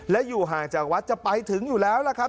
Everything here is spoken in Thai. และอยู่ห่างจากวัดจะไปถึงอยู่แล้วล่ะครับ